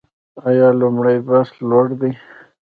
آیا لومړی بست لوړ دی؟